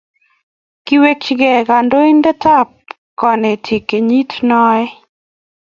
kiwechigei kandoindetab konetik kenyit noe